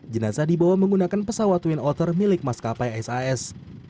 jenazah dibawa menggunakan pesawat twin otter milik maskapai sas